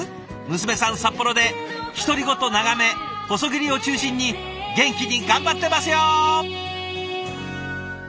娘さん札幌で独り言長め細切りを中心に元気に頑張ってますよ！